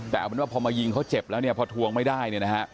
แต่เอาเป็นว่าพอมายิงเขาเจ็บแล้วเนี่ยพอทวงไม่ได้เนี่ยนะฮะ